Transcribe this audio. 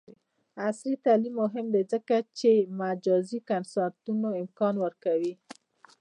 عصري تعلیم مهم دی ځکه چې د مجازی کنسرټونو امکان ورکوي.